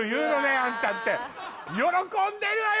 アンタって喜んでるわよ